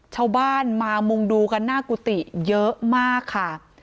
ชาวบ้านมามุงดูกันหน้ากุฏิเยอะมากค่ะ